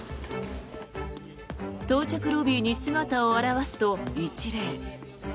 到着ロビーに姿を現すと一礼。